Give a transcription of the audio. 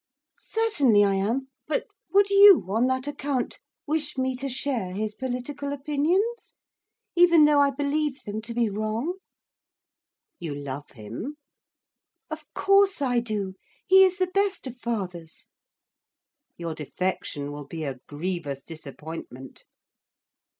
'Certainly I am; but would you, on that account, wish me to share his political opinions, even though I believe them to be wrong?' 'You love him.' 'Of course I do, he is the best of fathers.' 'Your defection will be a grievous disappointment.